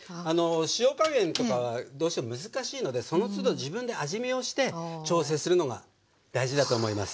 塩加減とかはどうしても難しいのでそのつど自分で味見をして調整するのが大事だと思います。